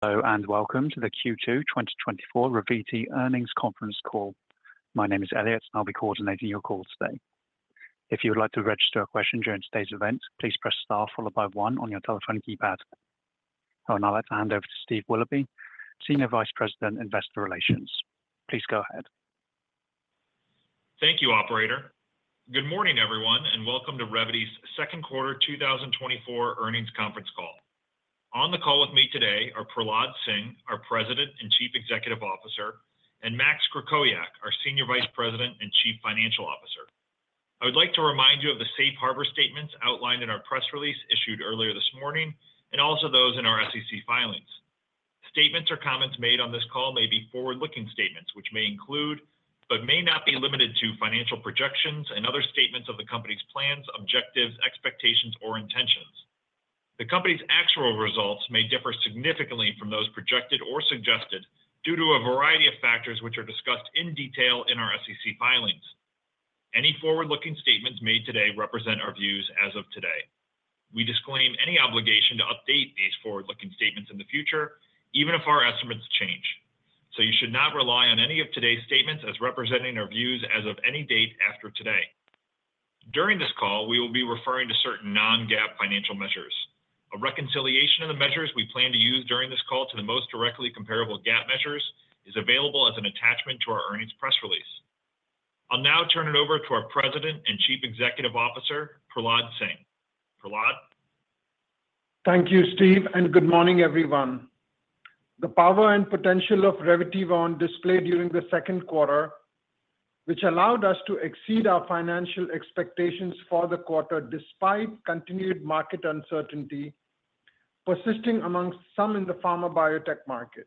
Hello and welcome to the Q2 2024 Revvity earnings conference call. My name is Elliot, and I'll be coordinating your call today. If you would like to register a question during today's event, please press star followed by one on your telephone keypad. I'll now like to hand over to Steve Willoughby, Senior Vice President, Investor Relations. Please go ahead. Thank you, operator. Good morning, everyone, and welcome to Revvity's second quarter 2024 earnings conference call. On the call with me today are Prahlad Singh, our President and Chief Executive Officer, and Max Krakowiak, our Senior Vice President and Chief Financial Officer. I would like to remind you of the Safe Harbor statements outlined in our press release issued earlier this morning and also those in our SEC filings. Statements or comments made on this call may be forward-looking statements, which may include but may not be limited to financial projections and other statements of the company's plans, objectives, expectations, or intentions. The company's actual results may differ significantly from those projected or suggested due to a variety of factors which are discussed in detail in our SEC filings. Any forward-looking statements made today represent our views as of today. We disclaim any obligation to update these forward-looking statements in the future, even if our estimates change. So you should not rely on any of today's statements as representing our views as of any date after today. During this call, we will be referring to certain non-GAAP financial measures. A reconciliation of the measures we plan to use during this call to the most directly comparable GAAP measures is available as an attachment to our earnings press release. I'll now turn it over to our President and Chief Executive Officer, Prahlad Singh. Prahlad. Thank you, Steve, and good morning, everyone. The power and potential of Revvity were displayed during the second quarter, which allowed us to exceed our financial expectations for the quarter despite continued market uncertainty persisting among some in the pharma biotech market.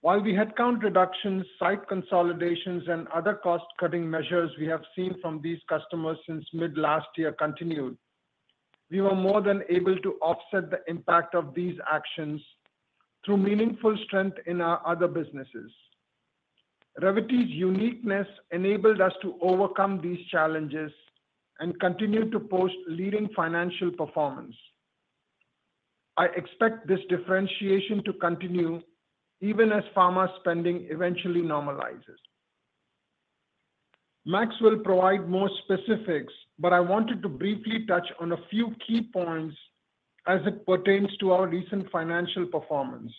While we had count reductions, site consolidations, and other cost-cutting measures we have seen from these customers since mid-last year continued, we were more than able to offset the impact of these actions through meaningful strength in our other businesses. Revvity's uniqueness enabled us to overcome these challenges and continue to post leading financial performance. I expect this differentiation to continue even as pharma spending eventually normalizes. Max will provide more specifics, but I wanted to briefly touch on a few key points as it pertains to our recent financial performance.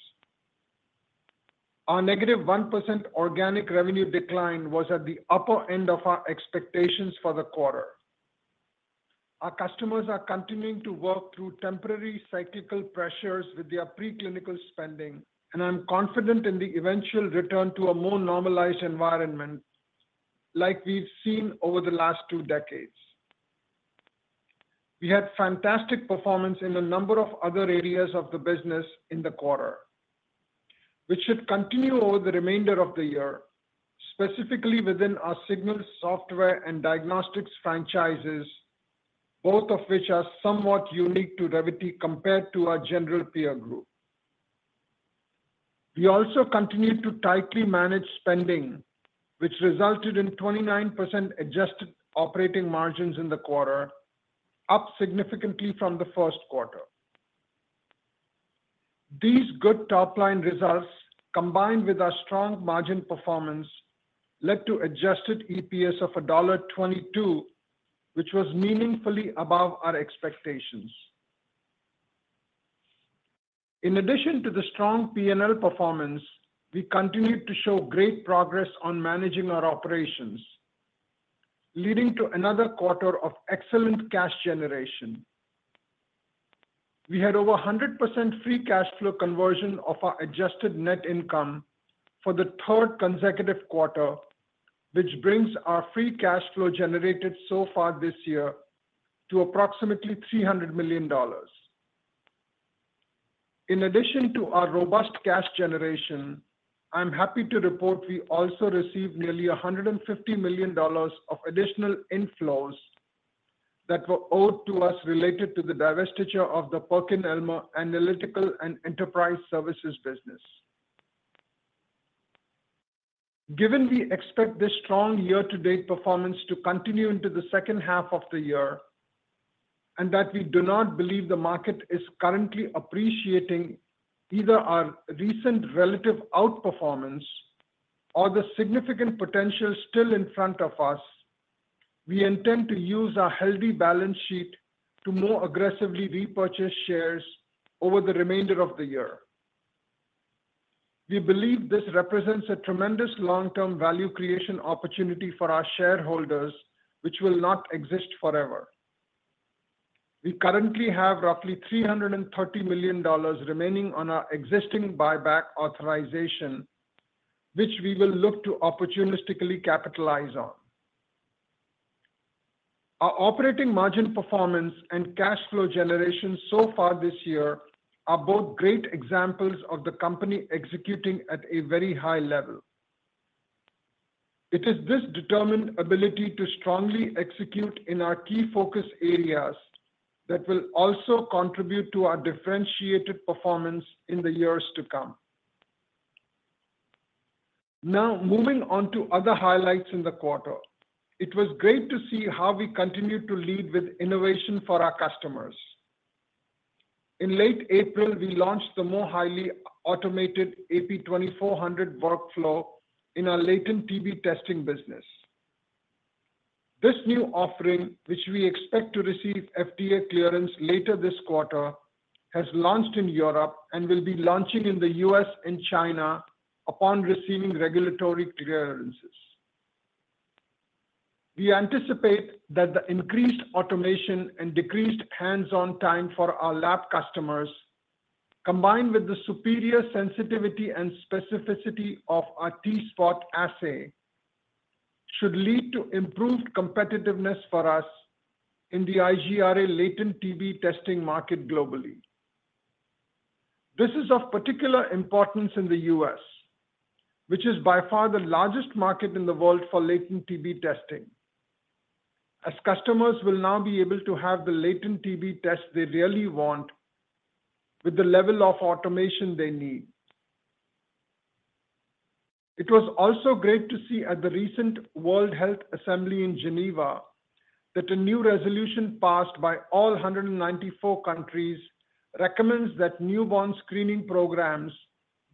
Our -1% organic revenue decline was at the upper end of our expectations for the quarter. Our customers are continuing to work through temporary cyclical pressures with their preclinical spending, and I'm confident in the eventual return to a more normalized environment like we've seen over the last two decades. We had fantastic performance in a number of other areas of the business in the quarter, which should continue over the remainder of the year, specifically within our Signal software and diagnostics franchises, both of which are somewhat unique to Revvity compared to our general peer group. We also continued to tightly manage spending, which resulted in 29% adjusted operating margins in the quarter, up significantly from the first quarter. These good top-line results, combined with our strong margin performance, led to adjusted EPS of $1.22, which was meaningfully above our expectations. In addition to the strong P&L performance, we continued to show great progress on managing our operations, leading to another quarter of excellent cash generation. We had over 100% free cash flow conversion of our adjusted net income for the third consecutive quarter, which brings our free cash flow generated so far this year to approximately $300 million. In addition to our robust cash generation, I'm happy to report we also received nearly $150 million of additional inflows that were owed to us related to the divestiture of the PerkinElmer Analytical and Enterprise Solutions business. Given we expect this strong year-to-date performance to continue into the second half of the year and that we do not believe the market is currently appreciating either our recent relative outperformance or the significant potential still in front of us, we intend to use our healthy balance sheet to more aggressively repurchase shares over the remainder of the year. We believe this represents a tremendous long-term value creation opportunity for our shareholders, which will not exist forever. We currently have roughly $330 million remaining on our existing buyback authorization, which we will look to opportunistically capitalize on. Our operating margin performance and cash flow generation so far this year are both great examples of the company executing at a very high level. It is this determined ability to strongly execute in our key focus areas that will also contribute to our differentiated performance in the years to come. Now, moving on to other highlights in the quarter, it was great to see how we continued to lead with innovation for our customers. In late April, we launched the more highly automated AP2400 workflow in our latent TB testing business. This new offering, which we expect to receive FDA clearance later this quarter, has launched in Europe and will be launching in the U.S. and China upon receiving regulatory clearances. We anticipate that the increased automation and decreased hands-on time for our lab customers, combined with the superior sensitivity and specificity of our T-SPOT assay, should lead to improved competitiveness for us in the IGRA latent TB testing market globally. This is of particular importance in the U.S., which is by far the largest market in the world for latent TB testing, as customers will now be able to have the latent TB tests they really want with the level of automation they need. It was also great to see at the recent World Health Assembly in Geneva that a new resolution passed by all 194 countries recommends that newborn screening programs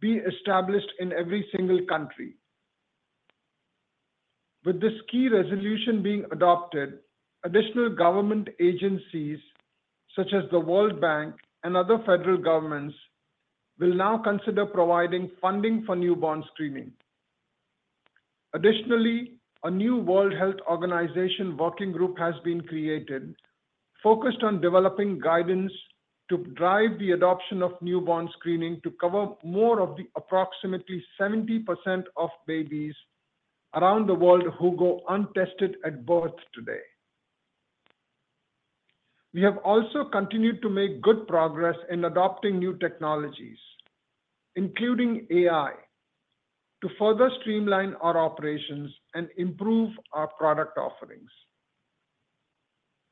be established in every single country. With this key resolution being adopted, additional government agencies such as the World Bank and other federal governments will now consider providing funding for newborn screening. Additionally, a new World Health Organization working group has been created focused on developing guidance to drive the adoption of newborn screening to cover more of the approximately 70% of babies around the world who go untested at birth today. We have also continued to make good progress in adopting new technologies, including AI, to further streamline our operations and improve our product offerings.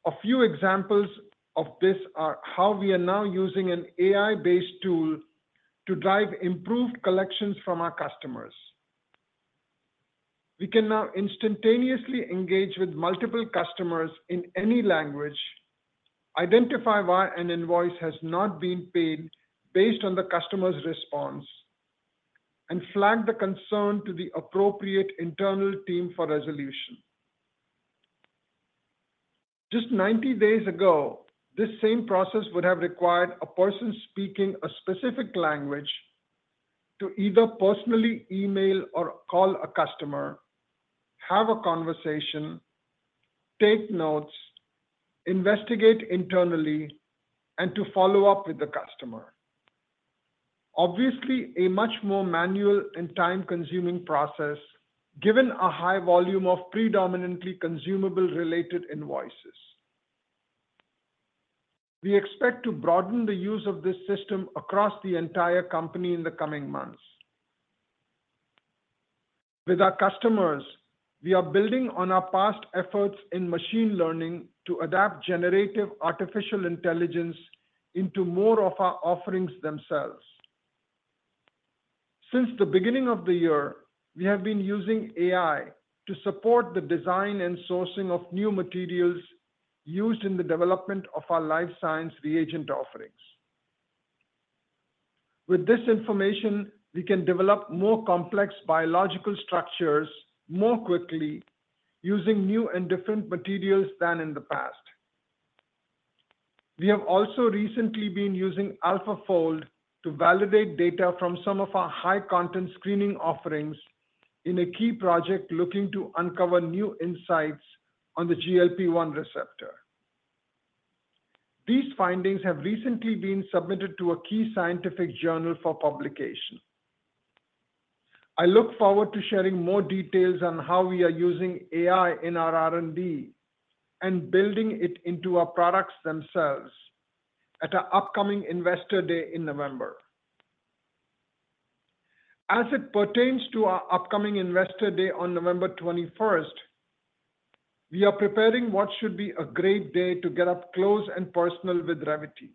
A few examples of this are how we are now using an AI-based tool to drive improved collections from our customers. We can now instantaneously engage with multiple customers in any language, identify why an invoice has not been paid based on the customer's response, and flag the concern to the appropriate internal team for resolution. Just 90 days ago, this same process would have required a person speaking a specific language to either personally email or call a customer, have a conversation, take notes, investigate internally, and to follow up with the customer. Obviously, a much more manual and time-consuming process given our high volume of predominantly consumable-related invoices. We expect to broaden the use of this system across the entire company in the coming months. With our customers, we are building on our past efforts in machine learning to adapt generative artificial intelligence into more of our offerings themselves. Since the beginning of the year, we have been using AI to support the design and sourcing of new materials used in the development of our life science reagent offerings. With this information, we can develop more complex biological structures more quickly using new and different materials than in the past. We have also recently been using AlphaFold to validate data from some of our high-content screening offerings in a key project looking to uncover new insights on the GLP-1 receptor. These findings have recently been submitted to a key scientific journal for publication. I look forward to sharing more details on how we are using AI in our R&D and building it into our products themselves at our upcoming Investor Day in November. As it pertains to our upcoming Investor Day on November 21st, we are preparing what should be a great day to get up close and personal with Revvity.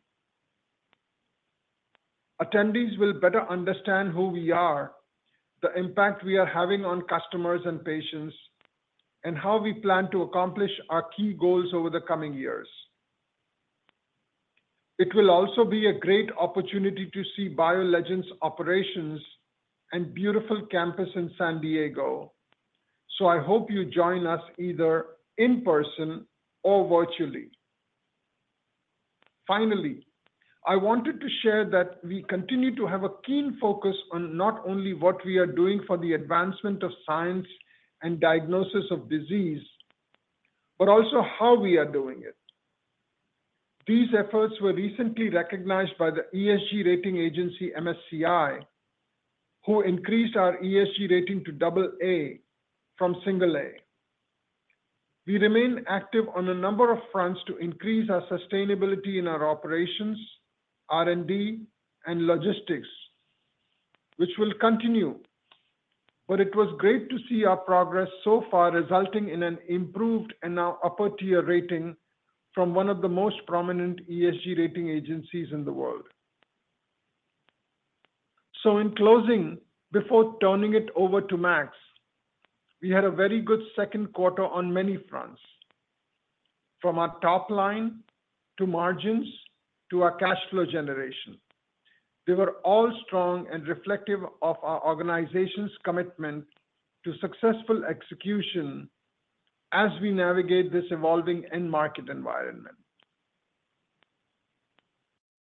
Attendees will better understand who we are, the impact we are having on customers and patients, and how we plan to accomplish our key goals over the coming years. It will also be a great opportunity to see BioLegend's operations and beautiful campus in San Diego, so I hope you join us either in person or virtually. Finally, I wanted to share that we continue to have a keen focus on not only what we are doing for the advancement of science and diagnosis of disease, but also how we are doing it. These efforts were recently recognized by the ESG rating agency MSCI, who increased our ESG rating to double A from single A. We remain active on a number of fronts to increase our sustainability in our operations, R&D, and logistics, which will continue, but it was great to see our progress so far resulting in an improved and now upper-tier rating from one of the most prominent ESG rating agencies in the world. In closing, before turning it over to Max, we had a very good second quarter on many fronts, from our top line to margins to our cash flow generation. They were all strong and reflective of our organization's commitment to successful execution as we navigate this evolving end market environment.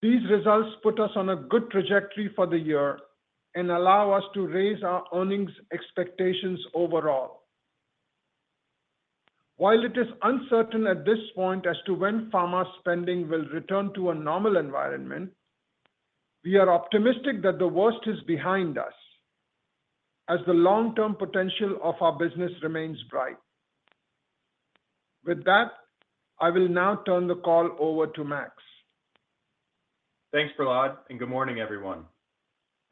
These results put us on a good trajectory for the year and allow us to raise our earnings expectations overall. While it is uncertain at this point as to when pharma spending will return to a normal environment, we are optimistic that the worst is behind us as the long-term potential of our business remains bright. With that, I will now turn the call over to Max. Thanks, Prahlad, and good morning, everyone.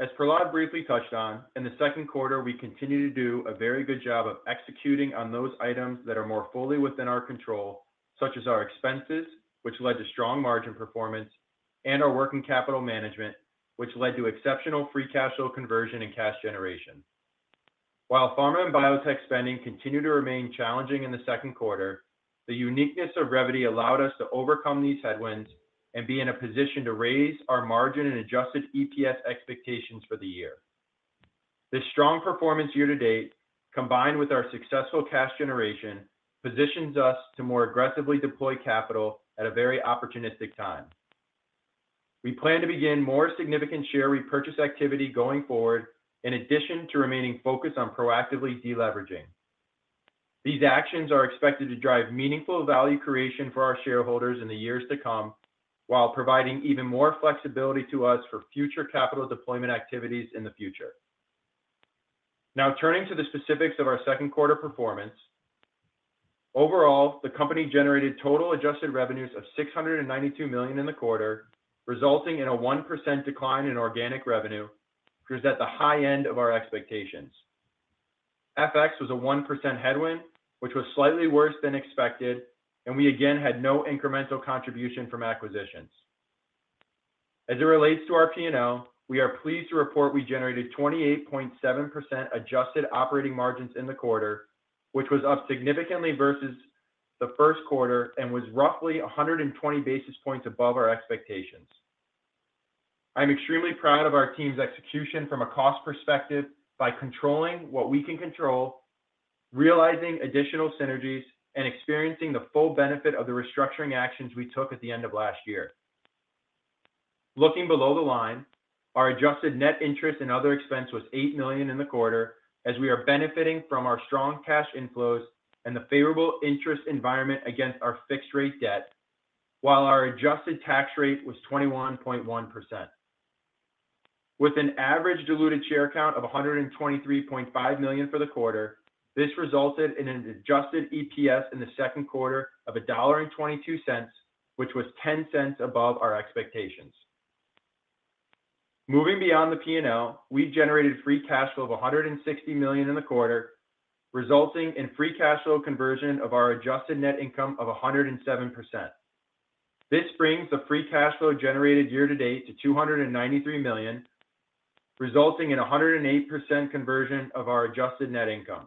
As Prahlad briefly touched on, in the second quarter, we continue to do a very good job of executing on those items that are more fully within our control, such as our expenses, which led to strong margin performance, and our working capital management, which led to exceptional free cash flow conversion and cash generation. While pharma and biotech spending continued to remain challenging in the second quarter, the uniqueness of Revvity allowed us to overcome these headwinds and be in a position to raise our margin and adjusted EPS expectations for the year. This strong performance year to date, combined with our successful cash generation, positions us to more aggressively deploy capital at a very opportunistic time. We plan to begin more significant share repurchase activity going forward, in addition to remaining focused on proactively deleveraging. These actions are expected to drive meaningful value creation for our shareholders in the years to come while providing even more flexibility to us for future capital deployment activities in the future. Now, turning to the specifics of our second quarter performance, overall, the company generated total adjusted revenues of $692 million in the quarter, resulting in a 1% decline in organic revenue, which was at the high end of our expectations. FX was a 1% headwind, which was slightly worse than expected, and we again had no incremental contribution from acquisitions. As it relates to our P&L, we are pleased to report we generated 28.7% adjusted operating margins in the quarter, which was up significantly versus the first quarter and was roughly 120 basis points above our expectations. I'm extremely proud of our team's execution from a cost perspective by controlling what we can control, realizing additional synergies, and experiencing the full benefit of the restructuring actions we took at the end of last year. Looking below the line, our adjusted net interest and other expense was $8 million in the quarter as we are benefiting from our strong cash inflows and the favorable interest environment against our fixed-rate debt, while our adjusted tax rate was 21.1%. With an average diluted share count of 123.5 million for the quarter, this resulted in an adjusted EPS in the second quarter of $1.22, which was $0.10 above our expectations. Moving beyond the P&L, we generated free cash flow of $160 million in the quarter, resulting in free cash flow conversion of our adjusted net income of 107%. This brings the free cash flow generated year to date to $293 million, resulting in a 108% conversion of our adjusted net income.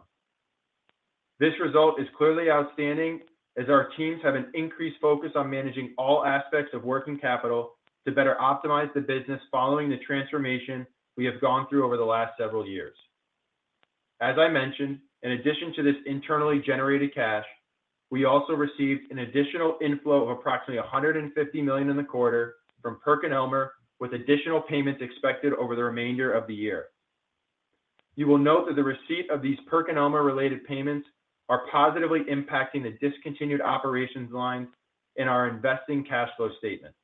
This result is clearly outstanding as our teams have an increased focus on managing all aspects of working capital to better optimize the business following the transformation we have gone through over the last several years. As I mentioned, in addition to this internally generated cash, we also received an additional inflow of approximately $150 million in the quarter from PerkinElmer, with additional payments expected over the remainder of the year. You will note that the receipt of these PerkinElmer-related payments are positively impacting the discontinued operations lines in our investing cash flow statement.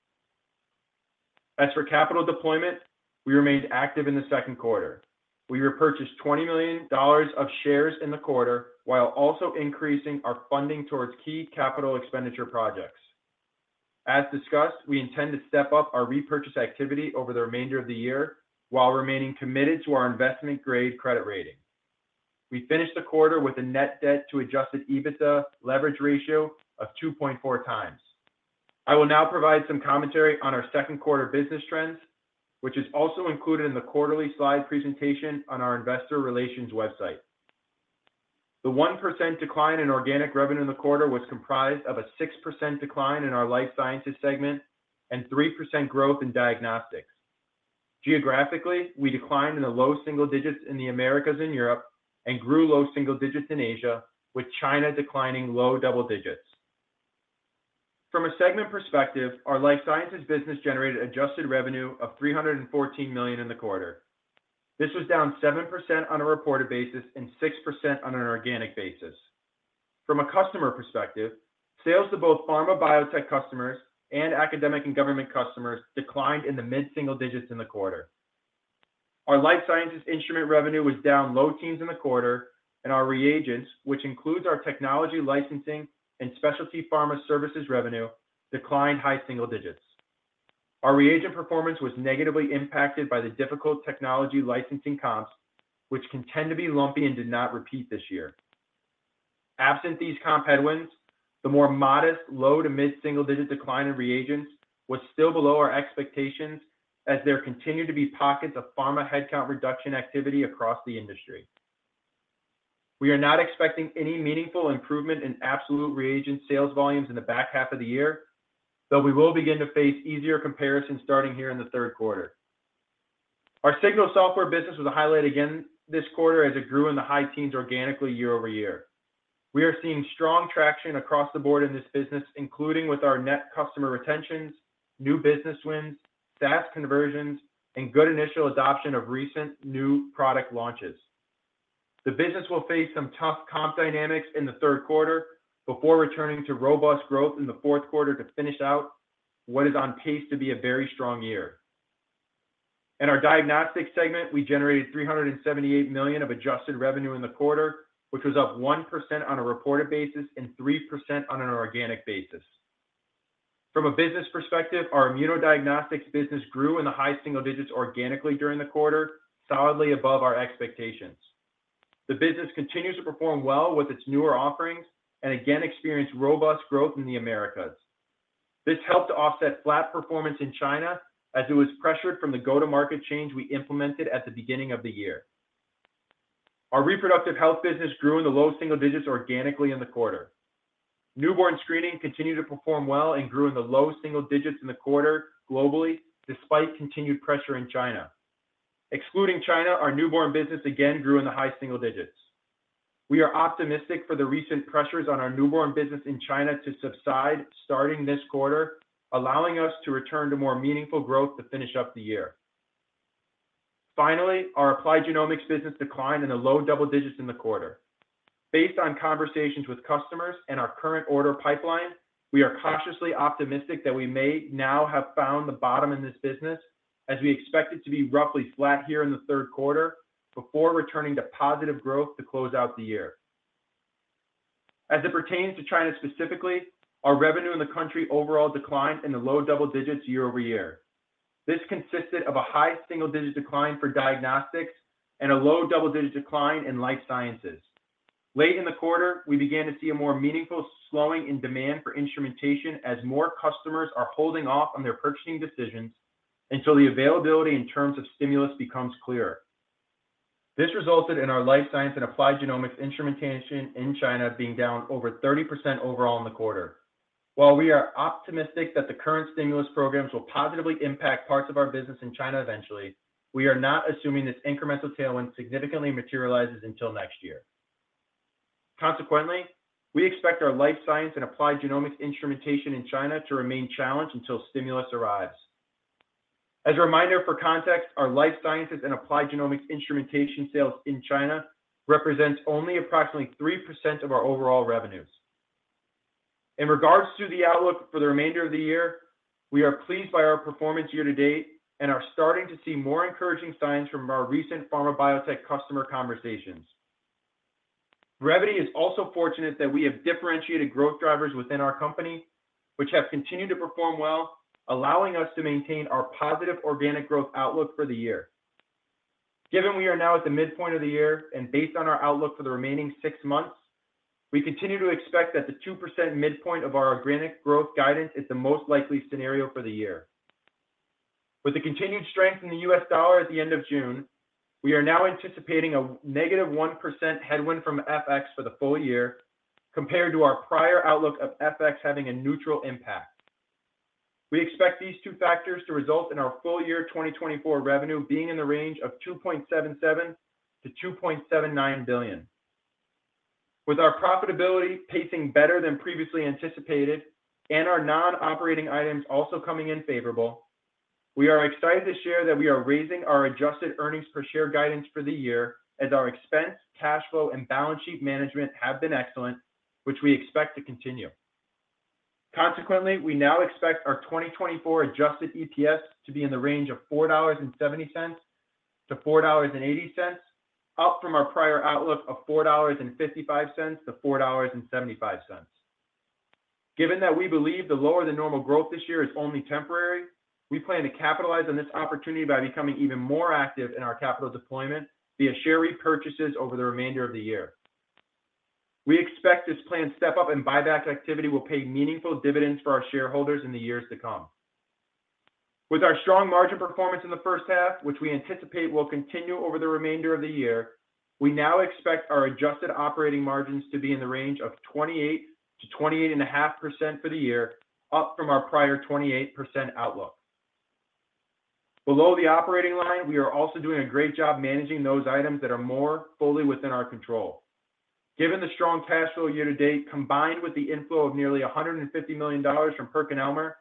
As for capital deployment, we remained active in the second quarter. We repurchased $20 million of shares in the quarter while also increasing our funding towards key capital expenditure projects. As discussed, we intend to step up our repurchase activity over the remainder of the year while remaining committed to our investment-grade credit rating. We finished the quarter with a net debt-to-adjusted EBITDA leverage ratio of 2.4x. I will now provide some commentary on our second quarter business trends, which is also included in the quarterly slide presentation on our Investor Relations website. The 1% decline in organic revenue in the quarter was comprised of a 6% decline in our life sciences segment and 3% growth in diagnostics. Geographically, we declined in the low single digits in the Americas and Europe and grew low single digits in Asia, with China declining low double digits. From a segment perspective, our life sciences business generated adjusted revenue of $314 million in the quarter. This was down 7% on a reported basis and 6% on an organic basis. From a customer perspective, sales to both pharma biotech customers and academic and government customers declined in the mid-single digits in the quarter. Our life sciences instrument revenue was down low teens in the quarter, and our reagents, which includes our technology licensing and specialty pharma services revenue, declined high single digits. Our reagent performance was negatively impacted by the difficult technology licensing comps, which can tend to be lumpy and did not repeat this year. Absent these comp headwinds, the more modest low to mid-single digit decline in reagents was still below our expectations as there continued to be pockets of pharma headcount reduction activity across the industry. We are not expecting any meaningful improvement in absolute reagent sales volumes in the back half of the year, though we will begin to face easier comparisons starting here in the third quarter. Our Signal software business was a highlight again this quarter as it grew in the high teens organically year-over-year. We are seeing strong traction across the board in this business, including with our net customer retentions, new business wins, SaaS conversions, and good initial adoption of recent new product launches. The business will face some tough comp dynamics in the third quarter before returning to robust growth in the fourth quarter to finish out what is on pace to be a very strong year. In our diagnostics segment, we generated $378 million of adjusted revenue in the quarter, which was up 1% on a reported basis and 3% on an organic basis. From a business perspective, our immunodiagnostics business grew in the high single digits organically during the quarter, solidly above our expectations. The business continues to perform well with its newer offerings and again experienced robust growth in the Americas. This helped to offset flat performance in China as it was pressured from the go-to-market change we implemented at the beginning of the year. Our reproductive health business grew in the low single digits organically in the quarter. Newborn screening continued to perform well and grew in the low single digits in the quarter globally despite continued pressure in China. Excluding China, our newborn business again grew in the high single digits. We are optimistic for the recent pressures on our newborn business in China to subside starting this quarter, allowing us to return to more meaningful growth to finish up the year. Finally, our applied genomics business declined in the low double digits in the quarter. Based on conversations with customers and our current order pipeline, we are cautiously optimistic that we may now have found the bottom in this business as we expect it to be roughly flat here in the third quarter before returning to positive growth to close out the year. As it pertains to China specifically, our revenue in the country overall declined in the low double digits year-over-year. This consisted of a high single-digit decline for diagnostics and a low double-digit decline in life sciences. Late in the quarter, we began to see a more meaningful slowing in demand for instrumentation as more customers are holding off on their purchasing decisions until the availability in terms of stimulus becomes clearer. This resulted in our life science and applied genomics instrumentation in China being down over 30% overall in the quarter. While we are optimistic that the current stimulus programs will positively impact parts of our business in China eventually, we are not assuming this incremental tailwind significantly materializes until next year. Consequently, we expect our life science and applied genomics instrumentation in China to remain challenged until stimulus arrives. As a reminder for context, our life sciences and applied genomics instrumentation sales in China represent only approximately 3% of our overall revenues. In regards to the outlook for the remainder of the year, we are pleased by our performance year to date and are starting to see more encouraging signs from our recent pharma biotech customer conversations. Revvity is also fortunate that we have differentiated growth drivers within our company, which have continued to perform well, allowing us to maintain our positive organic growth outlook for the year. Given we are now at the midpoint of the year and based on our outlook for the remaining six months, we continue to expect that the 2% midpoint of our organic growth guidance is the most likely scenario for the year. With the continued strength in the U.S. dollar at the end of June, we are now anticipating a -1% headwind from FX for the full year compared to our prior outlook of FX having a neutral impact. We expect these two factors to result in our full year 2024 revenue being in the range of $2.77 billion-$2.79 billion. With our profitability pacing better than previously anticipated and our non-operating items also coming in favorable, we are excited to share that we are raising our adjusted earnings per share guidance for the year as our expense, cash flow, and balance sheet management have been excellent, which we expect to continue. Consequently, we now expect our 2024 adjusted EPS to be in the range of $4.70-$4.80, up from our prior outlook of $4.55-$4.75. Given that we believe the lower than normal growth this year is only temporary, we plan to capitalize on this opportunity by becoming even more active in our capital deployment via share repurchases over the remainder of the year. We expect this planned step-up in buyback activity will pay meaningful dividends for our shareholders in the years to come. With our strong margin performance in the first half, which we anticipate will continue over the remainder of the year, we now expect our adjusted operating margins to be in the range of 28%-28.5% for the year, up from our prior 28% outlook. Below the operating line, we are also doing a great job managing those items that are more fully within our control. Given the strong cash flow year to date, combined with the inflow of nearly $150 million from PerkinElmer,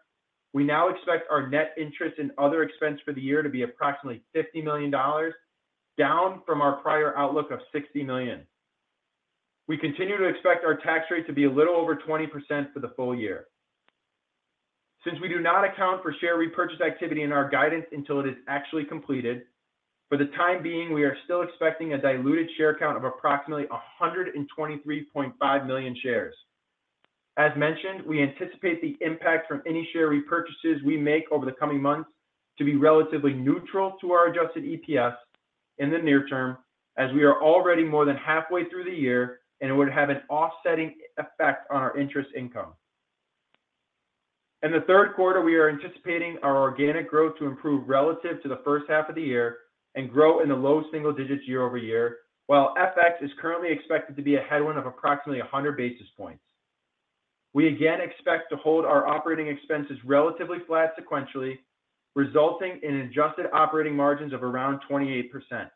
we now expect our net interest and other expense for the year to be approximately $50 million, down from our prior outlook of $60 million. We continue to expect our tax rate to be a little over 20% for the full year. Since we do not account for share repurchase activity in our guidance until it is actually completed, for the time being, we are still expecting a diluted share count of approximately 123.5 million shares. As mentioned, we anticipate the impact from any share repurchases we make over the coming months to be relatively neutral to our adjusted EPS in the near term as we are already more than halfway through the year and it would have an offsetting effect on our interest income. In the third quarter, we are anticipating our organic growth to improve relative to the first half of the year and grow in the low single digits year-over-year, while FX is currently expected to be a headwind of approximately 100 basis points. We again expect to hold our operating expenses relatively flat sequentially, resulting in adjusted operating margins of around 28%.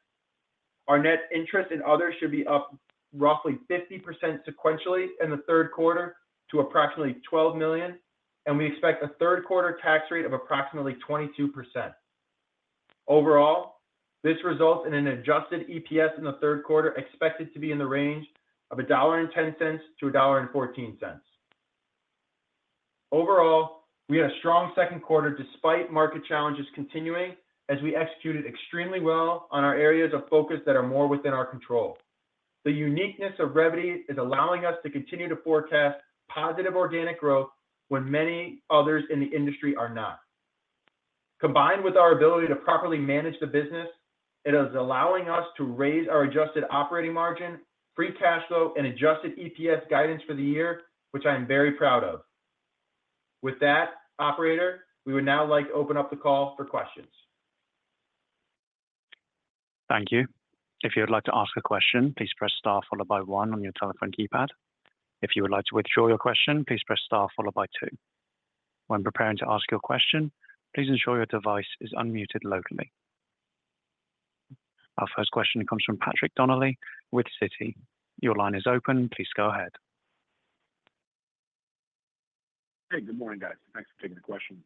Our net interest and others should be up roughly 50% sequentially in the third quarter to approximately $12 million, and we expect a third quarter tax rate of approximately 22%. Overall, this results in an adjusted EPS in the third quarter expected to be in the range of $1.10-$1.14. Overall, we had a strong second quarter despite market challenges continuing as we executed extremely well on our areas of focus that are more within our control. The uniqueness of Revvity is allowing us to continue to forecast positive organic growth when many others in the industry are not. Combined with our ability to properly manage the business, it is allowing us to raise our adjusted operating margin, free cash flow, and adjusted EPS guidance for the year, which I am very proud of. With that, operator, we would now like to open up the call for questions. Thank you. If you would like to ask a question, please press star followed by one on your telephone keypad. If you would like to withdraw your question, please press star followed by two. When preparing to ask your question, please ensure your device is unmuted locally. Our first question comes from Patrick Donnelly with Citi. Your line is open. Please go ahead. Hey, good morning, guys. Thanks for taking the questions.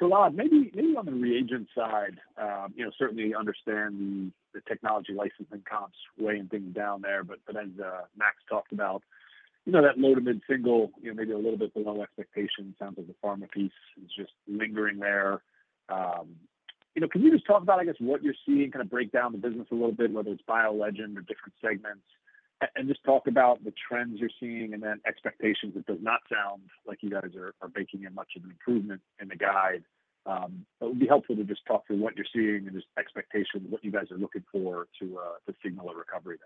Prahlad, maybe on the reagent side, you know, certainly understand the technology licensing comps weighing things down there, but as Max talked about, you know, that low to mid single, you know, maybe a little bit below expectation. It sounds like the pharma piece is just lingering there. You know, can you just talk about, I guess, what you're seeing, kind of break down the business a little bit, whether it's BioLegend or different segments, and just talk about the trends you're seeing and then expectations? It does not sound like you guys are making much of an improvement in the guide, but it would be helpful to just talk through what you're seeing and just expectations, what you guys are looking for to signal a recovery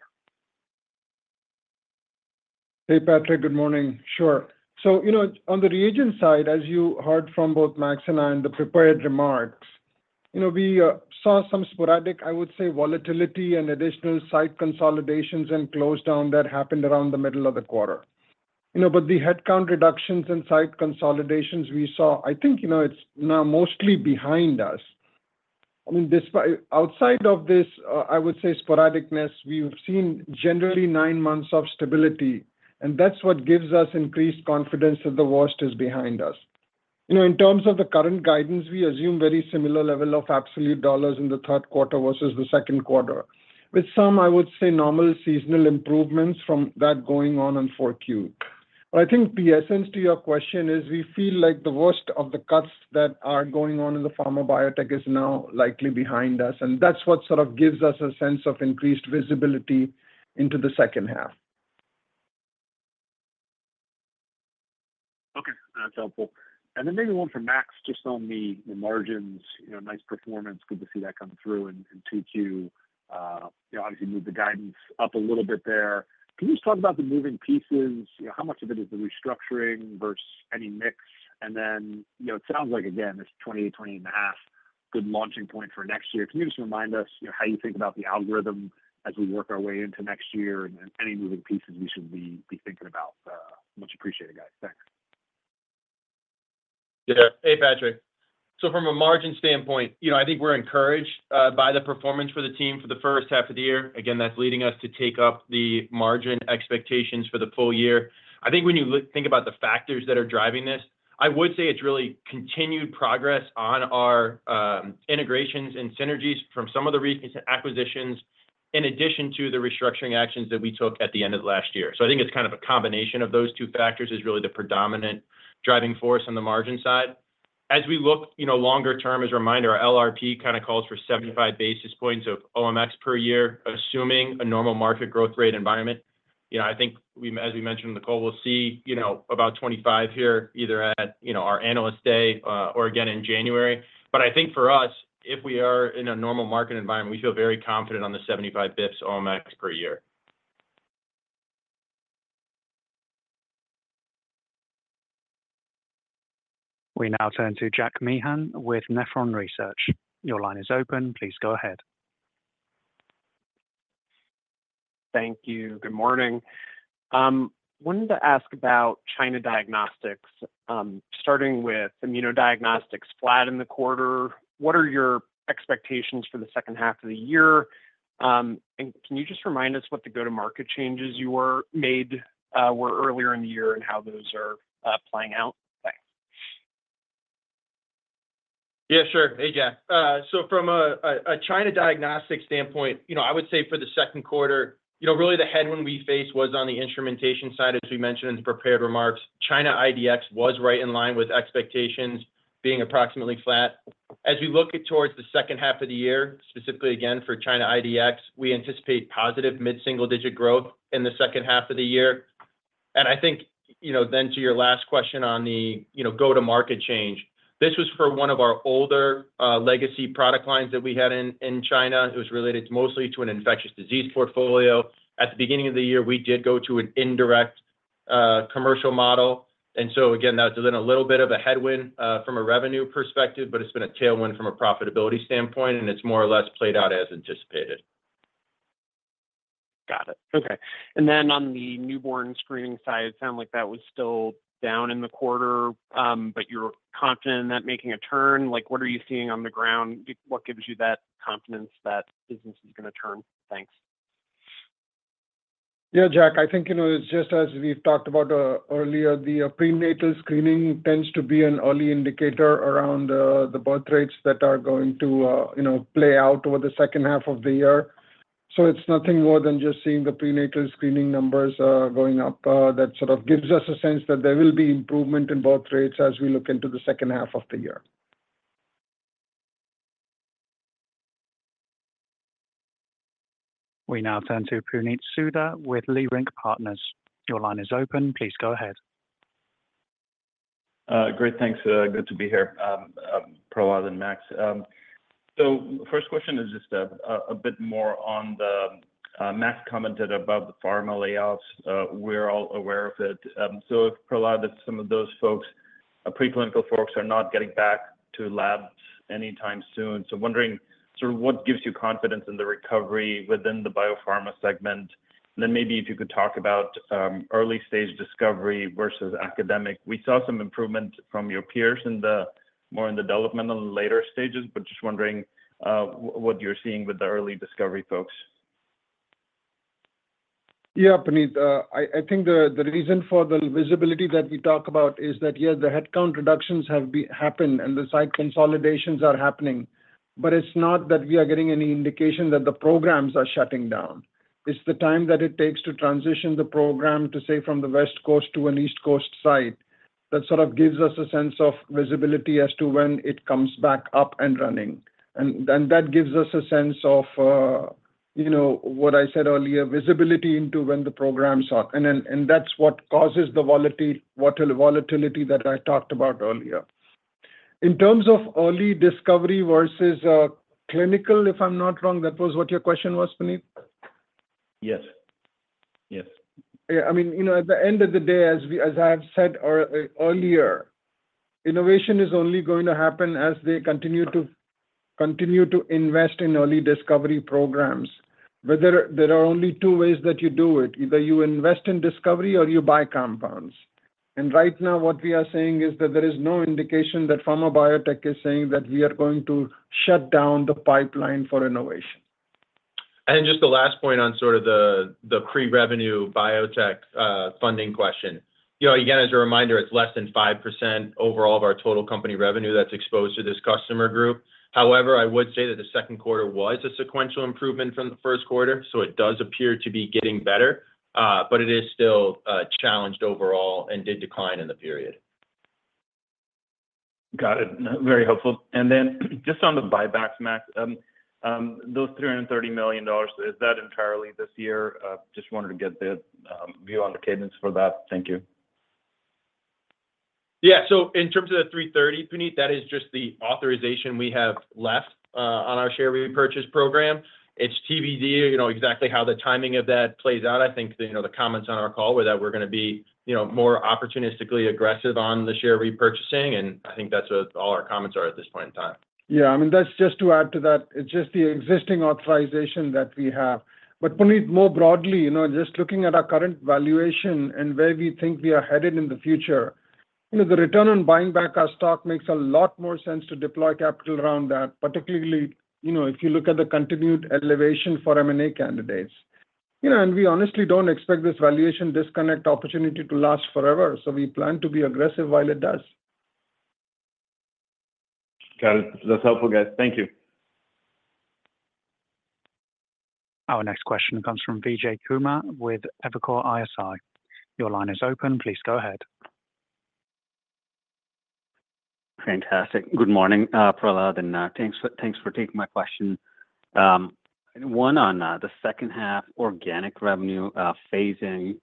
there. Hey, Patrick, good morning. Sure. So, you know, on the reagent side, as you heard from both Max and I in the prepared remarks, you know, we saw some sporadic, I would say, volatility and additional site consolidations and close down that happened around the middle of the quarter. You know, but the headcount reductions and site consolidations we saw, I think, you know, it's now mostly behind us. I mean, outside of this, I would say, sporadicness, we've seen generally nine months of stability, and that's what gives us increased confidence that the worst is behind us. You know, in terms of the current guidance, we assume a very similar level of absolute dollars in the third quarter versus the second quarter, with some, I would say, normal seasonal improvements from that going on on 4Q. But I think the essence to your question is we feel like the worst of the cuts that are going on in the pharma biotech is now likely behind us, and that's what sort of gives us a sense of increased visibility into the second half. Okay, that's helpful. And then maybe one for Max, just on the margins, you know, nice performance, good to see that come through in 2Q. You know, obviously moved the guidance up a little bit there. Can you just talk about the moving pieces? You know, how much of it is the restructuring versus any mix? And then, you know, it sounds like, again, it's 28%-28.5%, good launching point for next year. Can you just remind us, you know, how you think about the algorithm as we work our way into next year and any moving pieces we should be thinking about? Much appreciated, guys. Thanks. Yeah, hey, Patrick. So from a margin standpoint, you know, I think we're encouraged by the performance for the team for the first half of the year. Again, that's leading us to take up the margin expectations for the full year. I think when you think about the factors that are driving this, I would say it's really continued progress on our integrations and synergies from some of the recent acquisitions in addition to the restructuring actions that we took at the end of last year. So I think it's kind of a combination of those two factors is really the predominant driving force on the margin side. As we look, you know, longer term, as a reminder, our LRP kind of calls for 75 basis points of OMX per year, assuming a normal market growth rate environment. You know, I think we, as we mentioned in the call, will see, you know, about 25 here either at, you know, our analyst day or again in January. But I think for us, if we are in a normal market environment, we feel very confident on the 75 bips OMX per year. We now turn to Jack Meehan with Nephron Research. Your line is open. Please go ahead. Thank you. Good morning. I wanted to ask about China diagnostics, starting with immunodiagnostics flat in the quarter. What are your expectations for the second half of the year? And can you just remind us what the go-to-market changes you made were earlier in the year and how those are playing out? Thanks. Yeah, sure. Hey, Jack. So from a China diagnostic standpoint, you know, I would say for the second quarter, you know, really the headwind we faced was on the instrumentation side, as we mentioned in the prepared remarks. China IDX was right in line with expectations being approximately flat. As we look towards the second half of the year, specifically again for China IDX, we anticipate positive mid-single-digit growth in the second half of the year. And I think, you know, then to your last question on the, you know, go-to-market change, this was for one of our older legacy product lines that we had in China. It was related mostly to an infectious disease portfolio. At the beginning of the year, we did go to an indirect commercial model. And so again, that's been a little bit of a headwind from a revenue perspective, but it's been a tailwind from a profitability standpoint, and it's more or less played out as anticipated. Got it. Okay. And then on the newborn screening side, it sounds like that was still down in the quarter, but you're confident in that making a turn. Like, what are you seeing on the ground? What gives you that confidence that business is going to turn? Thanks. Yeah, Jack, I think, you know, it's just as we've talked about earlier, the prenatal screening tends to be an early indicator around the birth rates that are going to, you know, play out over the second half of the year. So it's nothing more than just seeing the prenatal screening numbers going up that sort of gives us a sense that there will be improvement in birth rates as we look into the second half of the year. We now turn to Puneet Souda with Leerink Partners. Your line is open. Please go ahead. Great. Thanks. Good to be here, Prahlad and Max. So first question is just a bit more on the Max commented about the pharma layoffs. We're all aware of it. So, Prahlad, if some of those folks, pre-clinical folks, are not getting back to labs anytime soon, so wondering sort of what gives you confidence in the recovery within the biopharma segment? And then maybe if you could talk about early-stage discovery versus academic. We saw some improvement from your peers in the more developmental and later stages, but just wondering what you're seeing with the early discovery folks. Yeah, Puneet, I think the reason for the visibility that we talk about is that, yeah, the headcount reductions have happened and the site consolidations are happening, but it's not that we are getting any indication that the programs are shutting down. It's the time that it takes to transition the program to, say, from the West Coast to an East Coast site that sort of gives us a sense of visibility as to when it comes back up and running. That gives us a sense of, you know, what I said earlier, visibility into when the programs are. That's what causes the volatility that I talked about earlier. In terms of early discovery versus clinical, if I'm not wrong, that was what your question was, Puneet? Yes. Yes. I mean, you know, at the end of the day, as I have said earlier, innovation is only going to happen as they continue to continue to invest in early discovery programs. Whether there are only two ways that you do it, either you invest in discovery or you buy compounds. Right now, what we are saying is that there is no indication that pharma biotech is saying that we are going to shut down the pipeline for innovation. Just the last point on sort of the pre-revenue biotech funding question. You know, again, as a reminder, it's less than 5% overall of our total company revenue that's exposed to this customer group. However, I would say that the second quarter was a sequential improvement from the first quarter, so it does appear to be getting better, but it is still challenged overall and did decline in the period. Got it. Very helpful. Then just on the buybacks, Max, those $330 million, is that entirely this year? Just wanted to get the view on the cadence for that. Thank you. Yeah. So in terms of the $330, Puneet, that is just the authorization we have left on our share repurchase program. It's TBD, you know, exactly how the timing of that plays out. I think, you know, the comments on our call were that we're going to be, you know, more opportunistically aggressive on the share repurchasing, and I think that's what all our comments are at this point in time. Yeah. I mean, that's just to add to that. It's just the existing authorization that we have. But Puneet, more broadly, you know, just looking at our current valuation and where we think we are headed in the future, you know, the return on buying back our stock makes a lot more sense to deploy capital around that, particularly, you know, if you look at the continued elevation for M&A candidates. You know, and we honestly don't expect this valuation disconnect opportunity to last forever, so we plan to be aggressive while it does. Got it. That's helpful, guys. Thank you. Our next question comes from Vijay Kumar with Evercore ISI. Your line is open. Please go ahead. Fantastic. Good morning, Prahlad, and thanks for taking my question. One on the second half organic revenue phasing,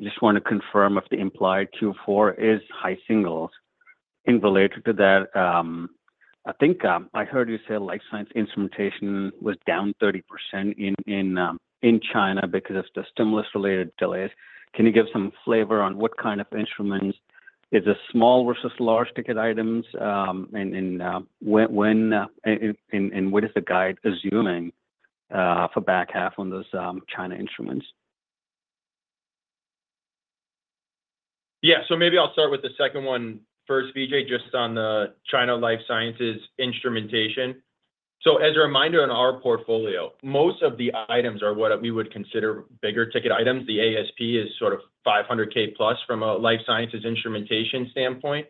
I just want to confirm if the implied Q4 is high singles. In relation to that, I think I heard you say life sciences instrumentation was down 30% in China because of the stimulus-related delays. Can you give some flavor on what kind of instruments? Is it small versus large ticket items? And what is the guide assuming for back half on those China instruments? Yeah. So maybe I'll start with the second one first, Vijay, just on the China life sciences instrumentation. So as a reminder on our portfolio, most of the items are what we would consider bigger ticket items. The ASP is sort of $500K plus from a life sciences instrumentation standpoint.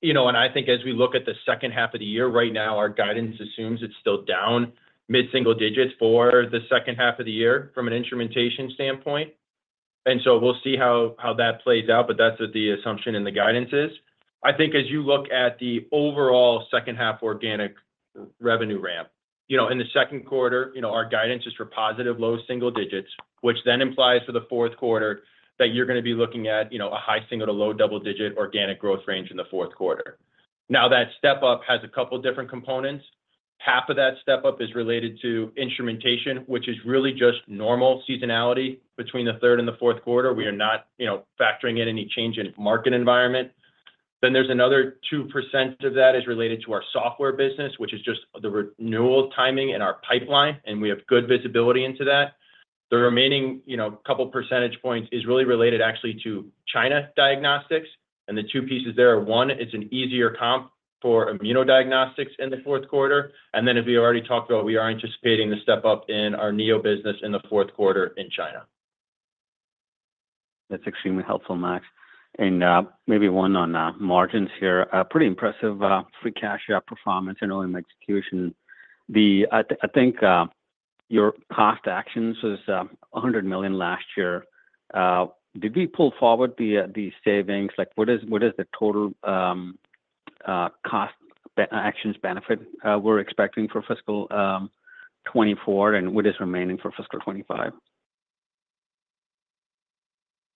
You know, and I think as we look at the second half of the year, right now, our guidance assumes it's still down mid-single digits for the second half of the year from an instrumentation standpoint. And so we'll see how that plays out, but that's what the assumption in the guidance is. I think as you look at the overall second half organic revenue ramp, you know, in the second quarter, you know, our guidance is for positive low single digits, which then implies for the fourth quarter that you're going to be looking at, you know, a high single to low double-digit organic growth range in the fourth quarter. Now that step up has a couple different components. Half of that step up is related to instrumentation, which is really just normal seasonality between the third and the fourth quarter. We are not, you know, factoring in any change in market environment. Then there's another 2% of that is related to our software business, which is just the renewal timing and our pipeline, and we have good visibility into that. The remaining, you know, couple percentage points is really related actually to China diagnostics. And the two pieces there are, one, it's an easier comp for immunodiagnostics in the fourth quarter. And then as we already talked about, we are anticipating the step up in our Neo business in the fourth quarter in China. That's extremely helpful, Max. And maybe one on margins here. Pretty impressive free cash performance and OM execution. I think your cost actions was $100 million last year. Did we pull forward the savings? Like, what is the total cost actions benefit we're expecting for fiscal 2024, and what is remaining for fiscal 2025?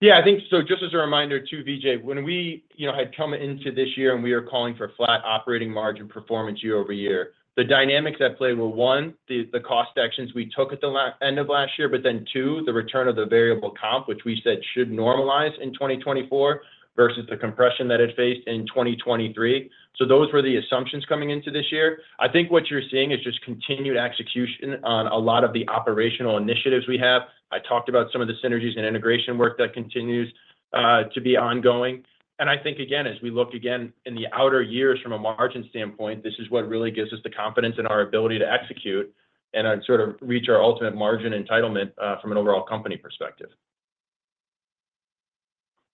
Yeah, I think so. Just as a reminder too, Vijay, when we, you know, had come into this year and we were calling for flat operating margin performance year-over-year, the dynamics at play were, one, the cost actions we took at the end of last year, but then, two, the return of the variable comp, which we said should normalize in 2024 versus the compression that it faced in 2023. So those were the assumptions coming into this year. I think what you're seeing is just continued execution on a lot of the operational initiatives we have. I talked about some of the synergies and integration work that continues to be ongoing. And I think, again, as we look again in the outer years from a margin standpoint, this is what really gives us the confidence in our ability to execute and sort of reach our ultimate margin entitlement from an overall company perspective.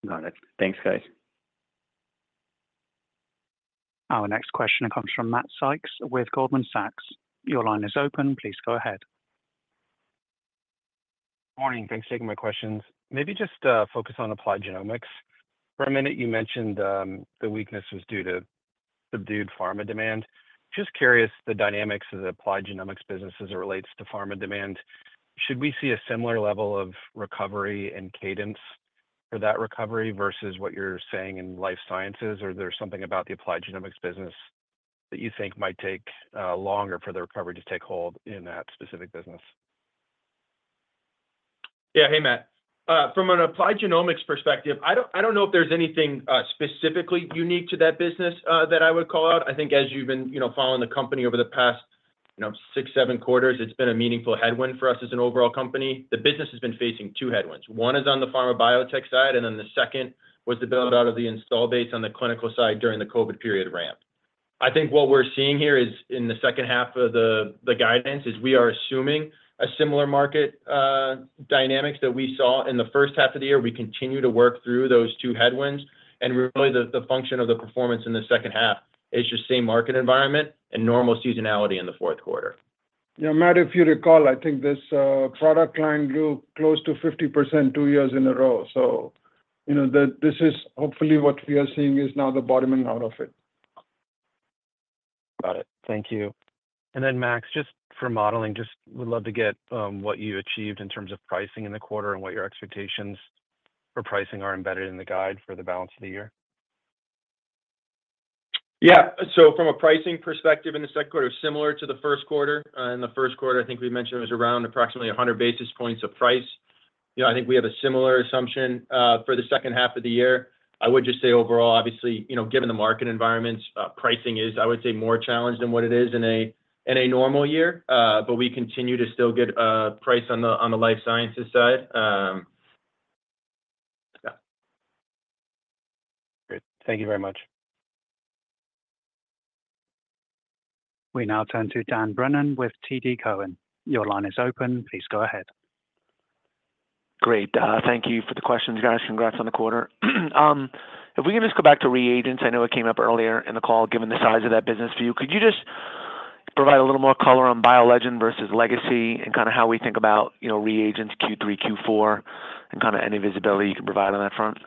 Got it. Thanks, guys. Our next question comes from Matt Sykes with Goldman Sachs. Your line is open. Please go ahead. Morning. Thanks for taking my questions. Maybe just focus on applied genomics. For a minute, you mentioned the weakness was due to subdued pharma demand. Just curious the dynamics of the applied genomics business as it relates to pharma demand. Should we see a similar level of recovery and cadence for that recovery versus what you're saying in life sciences, or is there something about the applied genomics business that you think might take longer for the recovery to take hold in that specific business? Yeah. Hey, Matt. From an applied genomics perspective, I don't know if there's anything specifically unique to that business that I would call out. I think as you've been, you know, following the company over the past, you know, six, seven quarters, it's been a meaningful headwind for us as an overall company. The business has been facing two headwinds. One is on the pharma biotech side, and then the second was the build-out of the install base on the clinical side during the COVID period ramp. I think what we're seeing here is in the second half of the guidance is we are assuming a similar market dynamics that we saw in the first half of the year. We continue to work through those two headwinds, and really the function of the performance in the second half is just same market environment and normal seasonality in the fourth quarter. You know, Matt, if you recall, I think this product line grew close to 50% two years in a row. So, you know, this is hopefully what we are seeing is now the bottoming out of it. Got it. Thank you. And then, Max, just for modeling, just would love to get what you achieved in terms of pricing in the quarter and what your expectations for pricing are embedded in the guide for the balance of the year. Yeah. So from a pricing perspective in the second quarter, it was similar to the first quarter. In the first quarter, I think we mentioned it was around approximately 100 basis points of price. You know, I think we have a similar assumption for the second half of the year. I would just say overall, obviously, you know, given the market environments, pricing is, I would say, more challenged than what it is in a normal year, but we continue to still get price on the life sciences side. Yeah. Great. Thank you very much. We now turn to Dan Brennan with TD Cowen. Your line is open. Please go ahead. Great. Thank you for the questions, guys. Congrats on the quarter. If we can just go back to reagents, I know it came up earlier in the call, given the size of that business for you. Could you just provide a little more color on BioLegend versus Legacy and kind of how we think about, you know, reagents Q3, Q4, and kind of any visibility you can provide on that front?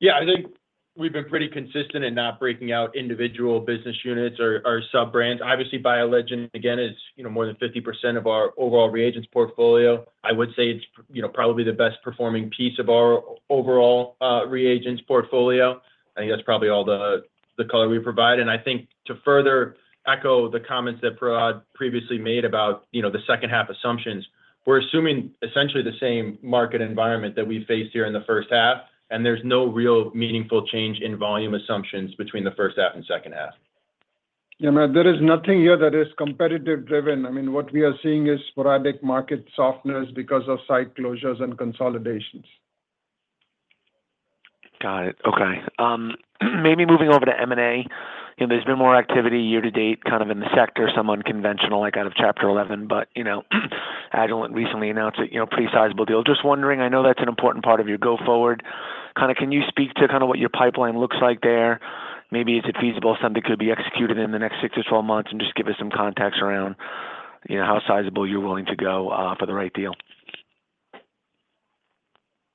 Yeah. I think we've been pretty consistent in not breaking out individual business units or sub-brands. Obviously, BioLegend, again, is, you know, more than 50% of our overall reagents portfolio. I would say it's, you know, probably the best performing piece of our overall reagents portfolio. I think that's probably all the color we provide. I think to further echo the comments that Prahlad previously made about, you know, the second half assumptions, we're assuming essentially the same market environment that we faced here in the first half, and there's no real meaningful change in volume assumptions between the first half and second half. Yeah, Dan, there is nothing here that is competitive-driven. I mean, what we are seeing is sporadic market softness because of site closures and consolidations. Got it. Okay. Maybe moving over to M&A. You know, there's been more activity year to date kind of in the sector, some unconventional, like out of Chapter 11, but, you know, Agilent recently announced a, you know, pretty sizable deal. Just wondering, I know that's an important part of your go forward. Kind of can you speak to kind of what your pipeline looks like there? Maybe is it feasible something could be executed in the next six to 12 months and just give us some context around, you know, how sizable you're willing to go for the right deal?